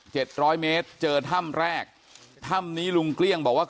ร้อยเมตรเจอถ้ำแรกถ้ำนี้ลุงเกลี้ยงบอกว่า